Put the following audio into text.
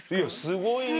すごいよ。